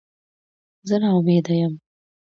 زه نا امیده یم